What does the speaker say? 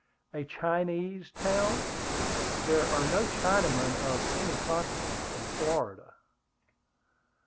"A Chinese town? There are no Chinamen of any consequence in Florida."